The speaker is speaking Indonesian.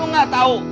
lo gak tahu